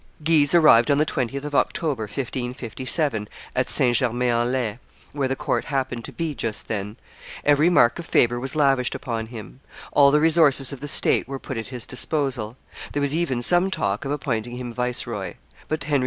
Guise arrived on the 20th of October, 1557, at Saint Germain en Laye, where the court happened to be just then: every mark of favor was lavished upon him; all the resources of the state were put at his disposal; there was even some talk of appointing him viceroy; but Henry II.